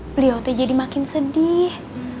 pliotnya jadi makin sedih